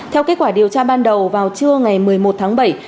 theo kết quả điều tra ban đầu vào trưa ngày một mươi một tháng bảy